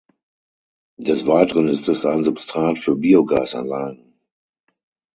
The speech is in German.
Des Weiteren ist es ein Substrat für Biogasanlagen.